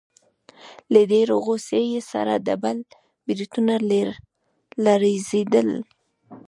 له ډېرې غوسې يې سره ډبل برېتونه لړزېدل.